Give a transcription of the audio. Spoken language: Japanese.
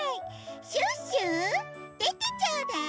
シュッシュでてちょうだい！